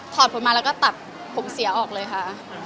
ถอดผมมาแล้วก็ตัดผมเสียออกเลยค่ะ